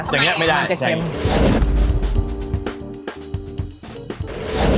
ทำไมมันจะเช็มอย่างนี้ไม่ได้